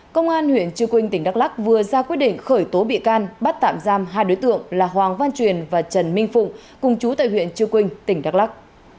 công an huyện trư quynh tỉnh đắk lắc vừa ra quyết định khởi tố bị can bắt tạm giam hai đối tượng là hoàng văn truyền và trần minh phụng cùng chú tại huyện chư quynh tỉnh đắk lắc